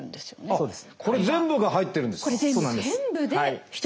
そうです。